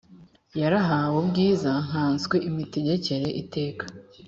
yarahawe ubwiza nkanswe imitegekere itera